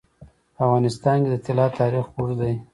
په افغانستان کې د طلا تاریخ اوږد دی.